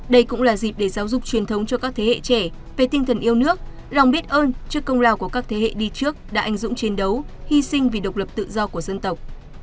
đây cũng là dịp để giáo dục truyền thống cho các thế hệ trẻ về tinh thần yêu nước lòng biết ơn trước công lao của các thế hệ đi trước đã anh dũng chiến đấu hy sinh vì độc lập tự do của dân tộc